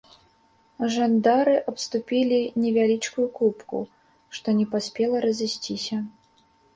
Жандары абступілі невялічкую купку, што не паспела разысціся.